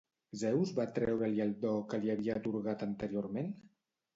Zeus va treure-li el do que li havia atorgat anteriorment?